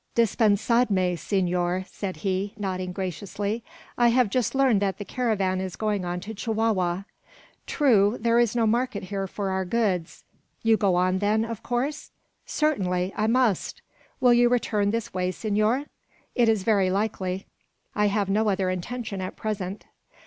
"Dispensadme, senor," said he, nodding graciously, "I have just learned that the caravan is going on to Chihuahua." "True, there is no market here for our goods." "You go on then, of course?" "Certainly, I must." "Will you return this way, senor?" "It is very likely; I have no other intention at present."